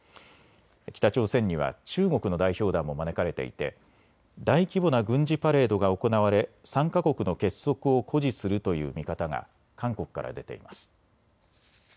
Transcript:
北朝鮮には中国の代表団も招かれていて大規模な軍事パレードが行われ３か国の結束を誇示するという見方が韓国から出ています。